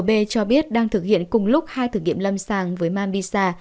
cụ thể cigp cho biết đang thực hiện cùng lúc hai thử nghiệm lâm sàng với mambisa